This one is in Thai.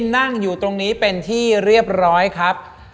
นั่งอยู่ตรงนี้เป็นที่เรียบร้อยครับ